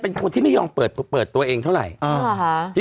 เป็นคนที่ไม่ยอมเปิดตัวเองเท่าไหร่